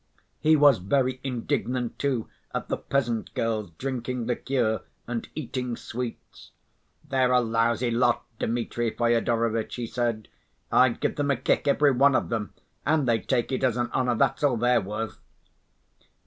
He was very indignant, too, at the peasant girls drinking liqueur, and eating sweets. "They're a lousy lot, Dmitri Fyodorovitch," he said. "I'd give them a kick, every one of them, and they'd take it as an honor—that's all they're worth!"